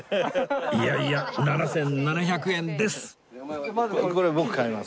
いやいや７７００円です！